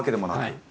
はい。